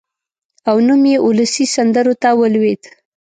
او نوم یې اولسي سندرو ته ولوېد.